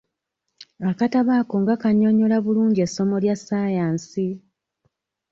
Akatabo ako nga kannyonnyola bulungi essomo lya saayansi!